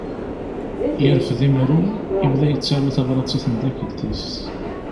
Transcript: Yerfed imru, yebda yettaru tabrat i tmeddakelt-is.